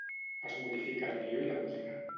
Es modifica el guió i la música.